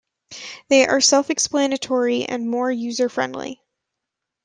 They are self-explanatory and more user-friendly.